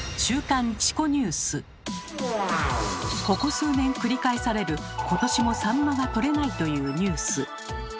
ここ数年繰り返される「今年もサンマが取れない」というニュース。